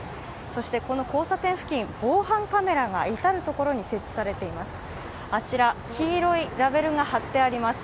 そしてこの交差点付近、防犯カメラが至る所に設置されています。